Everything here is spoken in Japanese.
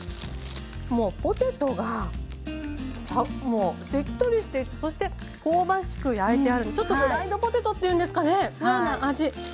もうポテトがあっもうしっとりしていてそして香ばしく焼いてあるのでちょっとフライドポテトっていうんですかねのような味。